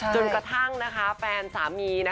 จนกระทั่งแฟนสามี